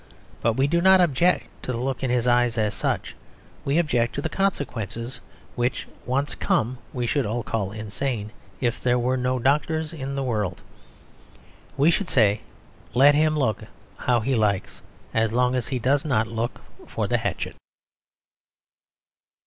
But we do not object to the look in the eyes as such; we object to consequences which, once come, we should all call insane if there were no doctors in the world. We should say, "Let him look how he likes; as long as he does not look for the hatchet."